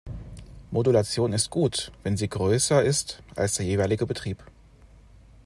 Modulation ist gut, wenn sie größer ist als der jeweilige Betrieb.